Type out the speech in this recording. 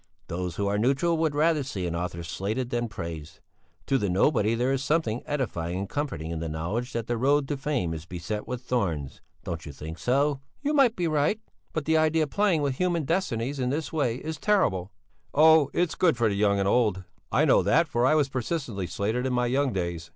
Those who are neutral would rather see an author slated than praised. To the nobody there is something edifying and comforting in the knowledge that the road to fame is beset with thorns. Don't you think so?" "You may be right. But the idea of playing with human destinies in this way is terrible." "Oh! It's good for young and old; I know that, for I was persistently slated in my young days."